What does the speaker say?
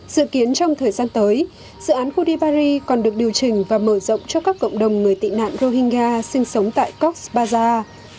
sự kiến trong thời gian tới dự án kudibari còn được điều chỉnh và mở rộng cho các cộng đồng người tị nạn rohingya sinh sống tại cox s bazar thị trấn bên bờ biển phía đông nam bangladesh